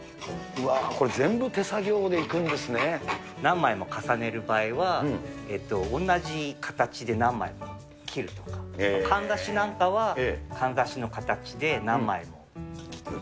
わー、これ全部、手作業でい何枚も重ねる場合は、同じ形で何枚も切るとか、かんざしなんかはかんざしの形で、何枚も切る。